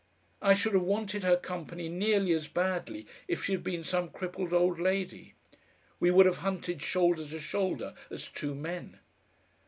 I should have wanted her company nearly as badly if she had been some crippled old lady; we would have hunted shoulder to shoulder, as two men.